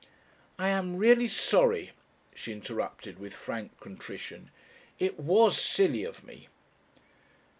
"I am really sorry," she interrupted with frank contrition. "It was silly of me."